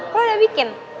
lo udah bikin